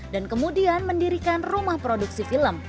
dan kemudian mendirikan rumah produksi